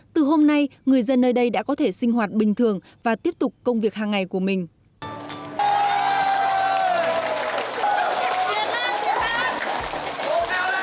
từ hôm nay người dân nơi đây đã có thể sinh hoạt bình thường và tiếp tục công việc hàng ngày của mình